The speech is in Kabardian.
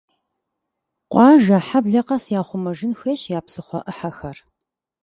Къуажэ, хьэблэ къэс яхъумэжын хуейщ я псыхъуэ Ӏыхьэхэр.